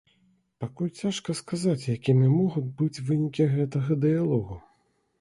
Пакуль цяжка сказаць якімі могуць быць вынікі гэтага дыялогу.